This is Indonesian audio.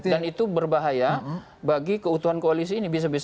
dan itu berbahaya bagi keutuhan koalisi ini